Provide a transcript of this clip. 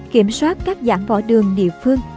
kiểm soát các dạng võ đường địa phương